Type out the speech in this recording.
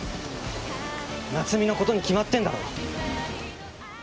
夏海のことに決まってんだろ。